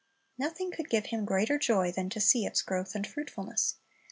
Nothing could give him greater joy than to see its growth and fruitfulness.